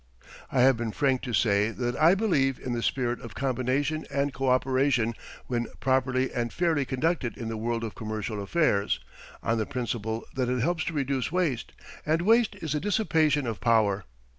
I have been frank to say that I believe in the spirit of combination and coöperation when properly and fairly conducted in the world of commercial affairs, on the principle that it helps to reduce waste; and waste is a dissipation of power.